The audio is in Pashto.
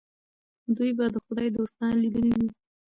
دوی به د خدای دوستان لیدلي وي.